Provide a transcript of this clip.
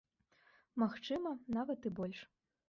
Магчыма, нават і больш.